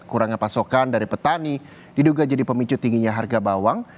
kurangnya pasokan dari petani diduga jadi pemicu tingginya harga bawang